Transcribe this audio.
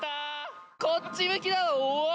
こっち向きなの⁉